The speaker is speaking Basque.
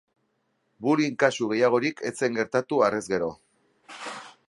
Bullying kasu gehiagorik ez zen gertatu, harrez gero.